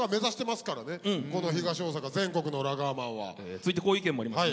続いてこういう意見もありますね。